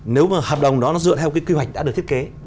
nếu mà hợp đồng đó nó dựa theo cái quy hoạch đã được thiết kế